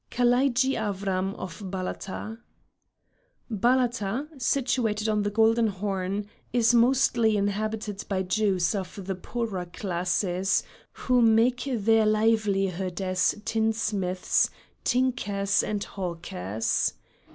KALAIDJI AVRAM OF BALATA Balata, situated on the Golden Horn, is mostly inhabited by Jews of the poorer classes, who make their livelihood as tinsmiths, tinkers, and hawkers.